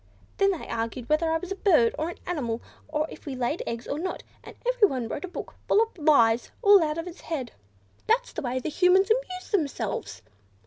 Then they argued whether I was a bird, or an animal, or if we laid eggs, or not; and everyone wrote a book, full of lies, all out of his head. "That's the way Humans amuse themselves.